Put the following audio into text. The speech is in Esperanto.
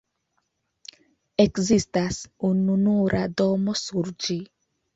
Ekzistas ununura domo sur ĝi.